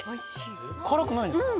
辛くないんですか？